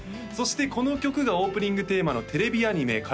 そしてこの曲がオープニングテーマのテレビアニメ